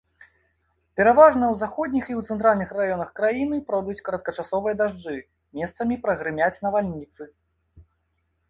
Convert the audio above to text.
Пераважна ў заходніх і ў цэнтральных раёнах краіны пройдуць кароткачасовыя дажджы, месцамі прагрымяць навальніцы.